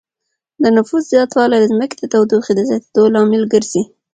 د نفوس ډېروالی د ځمکې د تودوخې د زياتېدو لامل ګرځي